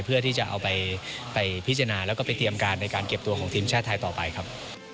เพื่อที่จะเอาไปพิจารณาแล้วก็ไปเตรียมการในการเก็บตัวของทีมชาติไทยต่อไปครับ